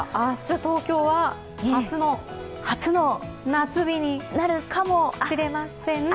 明日、東京は初の夏日になるかもしれません？